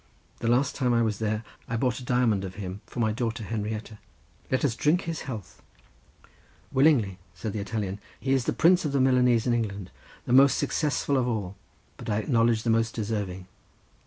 The last time I was there I bought a diamond of him for my daughter Henrietta. Let us drink his health!" "Willingly!" said the Italian. "He is the prince of the Milanese of England—the most successful of all, but I acknowledge the most deserving.